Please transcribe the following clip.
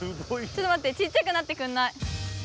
ちょっとまってちっちゃくなってくんない。